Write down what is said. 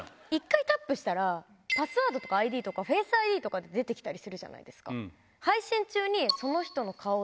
１回タップしたらパスワードとかＩＤとかフェイスＩＤとかって出て来たりするじゃないですか。